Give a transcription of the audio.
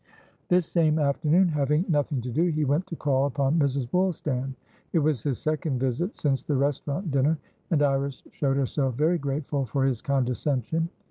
This same afternoon, having nothing to do, he went to call upon Mrs. Woolstan. It was his second visit since the restaurant dinner, and Iris showed herself very grateful for his condescension.